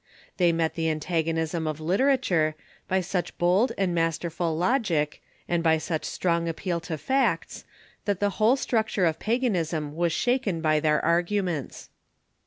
They met the antagonism of literature by such bold and mas terful logic, and b}^ such strong appeal to facts, that the whole structure of paganism was shaken by their arguments.